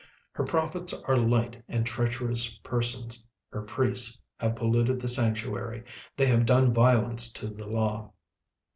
36:003:004 Her prophets are light and treacherous persons: her priests have polluted the sanctuary, they have done violence to the law.